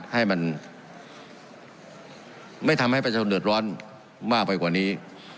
ให้มันไม่ทำให้ประชาชนเดือดร้อนมากไปกว่านี้